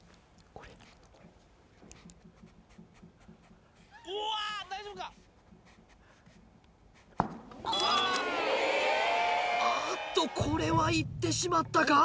これああっとこれはいってしまったか？